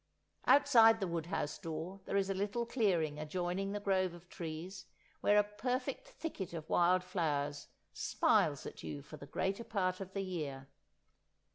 Outside the wood house door there is a little clearing adjoining the grove of trees, where a perfect thicket of wild flowers smiles at you for the greater part of the year.